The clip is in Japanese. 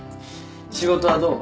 仕事はどう？